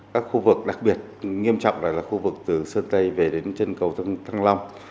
các khu vực đặc biệt nghiêm trọng này là khu vực từ sơn tây về đến chân cầu thăng long